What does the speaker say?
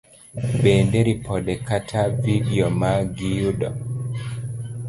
Bende, ripode kata vidio ma giyud